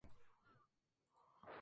Colin Graham fue director de escena.